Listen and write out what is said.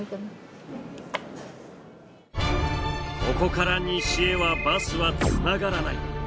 ここから西へはバスはつながらない。